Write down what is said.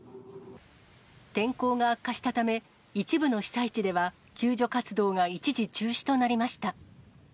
天候が悪化したため、一部の被災地では救助活動が一時中止となりました。